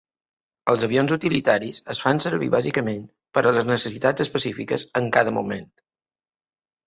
Els avions utilitaris es fan servir bàsicament per a les necessitats específiques en cada moment.